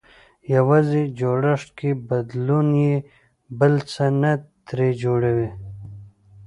يوازې جوړښت کې بدلون يې بل څه نه ترې جوړوي.